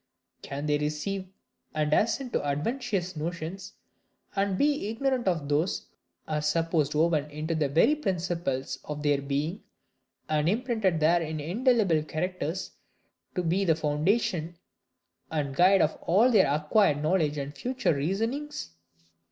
Can they receive and assent to adventitious notions, and be ignorant of those which are supposed woven into the very principles of their being, and imprinted there in indelible characters, to be the foundation and guide of all their acquired knowledge and future reasonings?